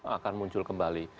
akan muncul kembali